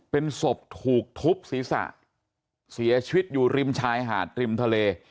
เป็นศพถูกทุบศีรษะเสียชีวิตอยู่ริมชายหาดริมทะเล